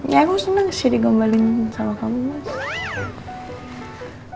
ya aku seneng sih digombalin sama kamu mas